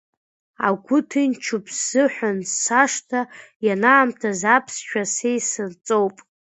Агәы ҭынчуп сзыҳәан сашҭа, ианаамҭаз аԥсшәа са исырҵоуп.